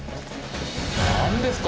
何ですか？